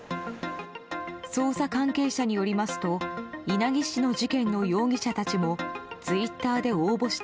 捜査関係者によりますと稲城市の事件の容疑者たちもツイッターで応募した